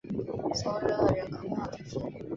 松日厄人口变化图示